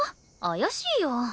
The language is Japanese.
怪しいよ。